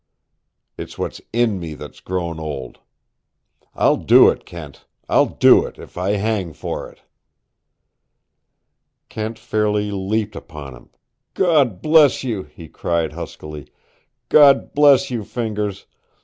It's what is in me that's grown old. I'll do it, Kent! I'll do it, if I hang for it!" Kent fairly leaped upon him. "God bless you!" he cried huskily. "God bless you, Fingers!